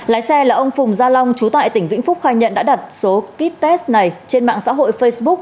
lái xe là ông phùng gia long trú tại tỉnh vĩnh phúc khai nhận đã đặt số kit test này trên mạng xã hội facebook